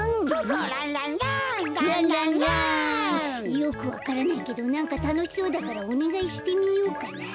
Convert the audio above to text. よくわからないけどなんかたのしそうだからおねがいしてみようかな。